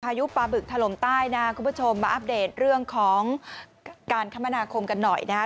พายุปลาบึกถล่มใต้นะคุณผู้ชมมาอัปเดตเรื่องของการคมนาคมกันหน่อยนะฮะ